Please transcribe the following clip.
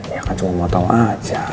ya kan cuma mau tau aja